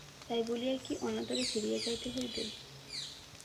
তাই বলিয়াই কি অনাদরে ফিরিয়া যাইতে হইবে?